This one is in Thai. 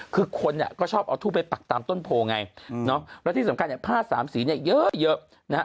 คือคนเนี่ยก็ชอบเอาทูบไปปักตามต้นโพไงแล้วที่สำคัญเนี่ยผ้าสามสีเนี่ยเยอะนะฮะ